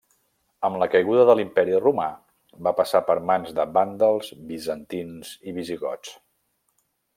Amb la caiguda de l'imperi Romà va passar per mans de Vàndals, Bizantins i Visigots.